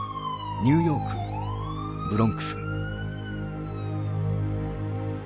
ニューヨーク・ブロンクス。